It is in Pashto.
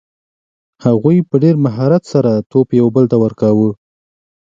هغوی په ډېر مهارت سره توپ یو بل ته ورکاوه.